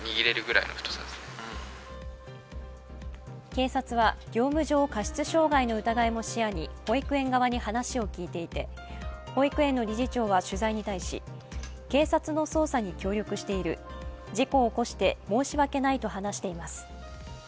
警察は業務上過失傷害の疑いも視野に保育園側に話を聞いていて、保育園の理事長は取材に対し警察の捜査に協力している、事故を起こして申し訳ないと話しています。